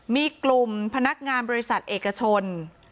มีกลุ่มพนักงานบริษัทเอกชน